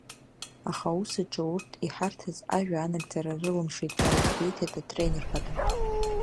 Аха, аус аҿы урҭ иҳарҭаз ажәа анагӡара рылымшеит, ҳәа иазгәеиҭеит атренер хада.